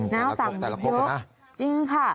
แต่ละครบนะจริงค่ะ